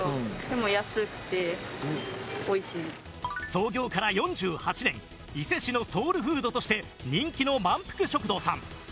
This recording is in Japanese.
創業から４８年伊勢市のソウルフードとして人気のまんぷく食堂さん。